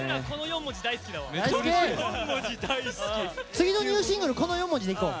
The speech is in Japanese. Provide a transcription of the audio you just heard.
次のニューシングルこの４文字でいこう。